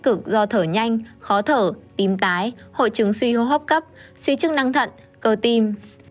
cực do thở nhanh khó thở im tái hội chứng suy hô hấp cấp suy chức năng thận cơ tim